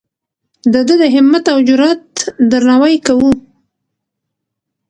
د ده د همت او جرئت درناوی کوو.